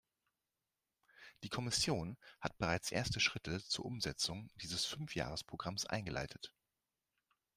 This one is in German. Die Kommission hat bereits erste Schritte zur Umsetzung dieses Fünfjahresprogramms eingeleitet.